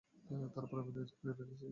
তার উপর ঈমান এনেছি।